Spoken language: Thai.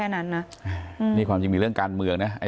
นะนี่ความจริงมีเรื่องการเมืองนะ